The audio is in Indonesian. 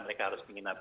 mereka harus menginap